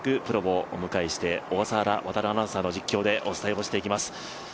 プロをお迎えして、小笠原亘アナウンサーの実況でお伝えしていきます。